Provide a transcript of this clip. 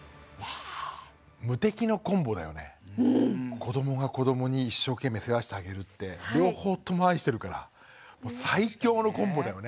子どもが子どもに一生懸命世話してあげるって両方とも愛してるから最強のコンボだよね。